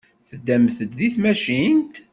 Teddamt-d deg tmacint?